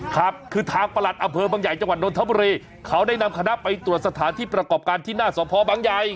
ครับคือทางประหลัดอำเภอบางใหญ่จังหวัดนทบุรีเขาได้นำคณะไปตรวจสถานที่ประกอบการที่หน้าสพบังใหญ่